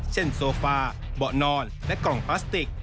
โซฟาเบาะนอนและกล่องพลาสติก